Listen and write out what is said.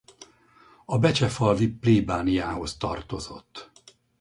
A becsefalvi plébániához tartozott.